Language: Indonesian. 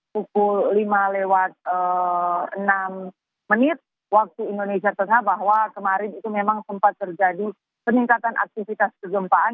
pukul lima lewat enam menit waktu indonesia tengah bahwa kemarin itu memang sempat terjadi peningkatan aktivitas kegempaan